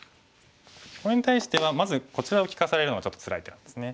これに対してはまずこちらを利かされるのがちょっとつらい手なんですね。